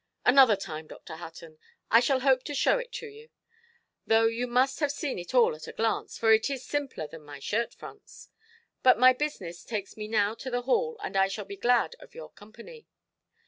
"Another time, Dr. Hutton, I shall hope to show it to you; though you must have seen it all at a glance, for it is simpler than my shirt–fronts. But my business takes me now to the Hall, and I shall be glad of your company".